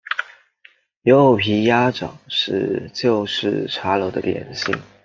柚皮鸭掌是旧式茶楼的点心。